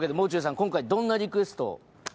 今回どんなリクエストを？